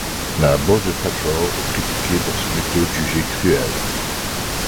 La Border Patrol est critiquée pour ses méthodes jugées cruelles.